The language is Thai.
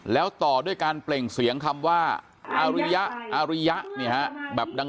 แล้วต่อด้วยการเปล่งเสียงคำว่าอาริยะอาริยะแบบดังต่อเนื่องกันหลายครั้ง